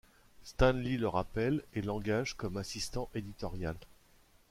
Stan Lee le rappelle et l'engage comme assistant éditorial.